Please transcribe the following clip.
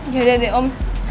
yaudah deh om